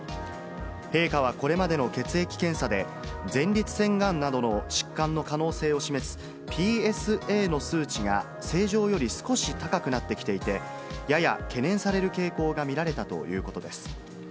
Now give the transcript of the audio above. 陛下はこれまでの血液検査で、前立腺がんなどの疾患の可能性を示す、ＰＳＡの数値が正常より少し高くなってきていて、やや懸念される傾向が見られたということです。